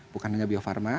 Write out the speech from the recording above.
bukan hanya biofarma